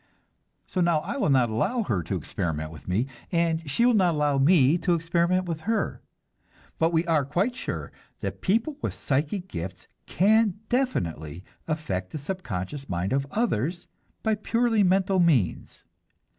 So now I will not allow her to experiment with me, and she will not allow me to experiment with her! But we are quite sure that people with psychic gifts can definitely affect the subconscious mind of others by purely mental means.